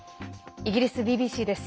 イギリスＢＢＣです。